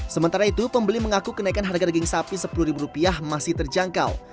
sementara itu pembeli mengaku kenaikan harga daging sapi sepuluh ribu rupiah masih terjangkau